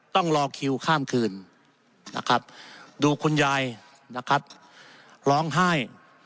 ต้องรอคิวข้ามคืนนะครับดูคุณยายนะครับร้องไห้